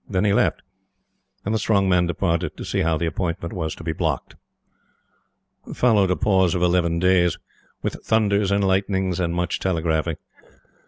Then he left, and the Strong Man departed to see how the appointment was to be blocked. ......... Followed a pause of eleven days; with thunders and lightnings and much telegraphing.